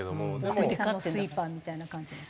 大谷さんのスイーパーみたいな感じだとか。